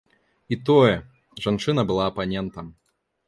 І тое, жанчына была апанентам.